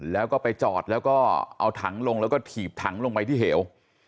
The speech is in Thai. แล้วก็ไปจอดแล้วก็เอาถังลงแล้วก็ถีบถังลงไปที่เหว